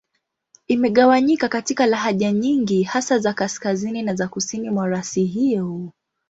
Imegawanyika katika lahaja nyingi, hasa za Kaskazini na za Kusini mwa rasi hiyo.